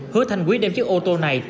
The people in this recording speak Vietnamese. hứa thanh quý đem chiếc ô tô này